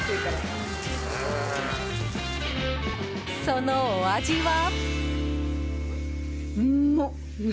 そのお味は。